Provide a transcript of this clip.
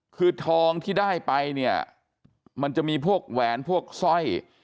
คือทองที่ได้ไปเนี่ยมันจะมีพวกแหวนพวกสร้อย